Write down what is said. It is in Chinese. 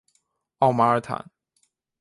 奥马尔坦。